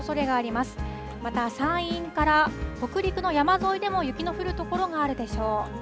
また山陰から北陸の山沿いでも雪の降る所があるでしょう。